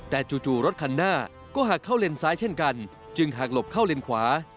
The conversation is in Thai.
แต่จู่รถคันหน้าก็หักเข้าเลนซ้ายเช่นกันจึงหักหลบเข้าเลนขวา